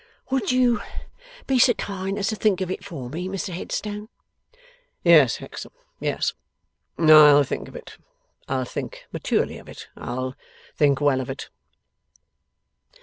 'Would you be so kind as to think of it for me, Mr Headstone?' 'Yes, Hexam, yes. I'll think of it. I'll think maturely of it. I'll think well of it.